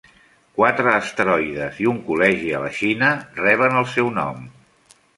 Quatre asteroides i un col·legi a la Xina reben el seu nom.